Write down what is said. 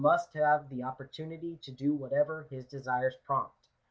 must have the opportunity to do whatever his desires prompt.